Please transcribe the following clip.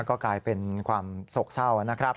ก็กลายเป็นความโศกเศร้านะครับ